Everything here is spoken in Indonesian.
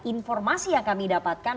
informasi yang kami dapatkan